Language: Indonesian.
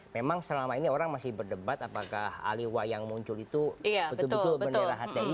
memang selama ini orang masih berdebat apakah ahli wayang muncul itu betul betul bendera hti